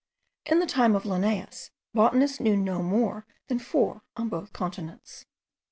In the time of Linnaeus, botanists knew no more than four on both continents.